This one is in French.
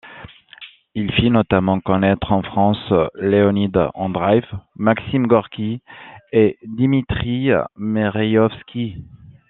Il fit notamment connaître en France Leonid Andreïev, Maxime Gorki et Dimitri Merejkovski.